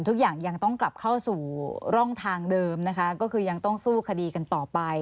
ทุกอย่างยังต้องกลับเข้าสู่ร่องทางเดิมนะคะก็คือยังต้องสู้คดีกันต่อไป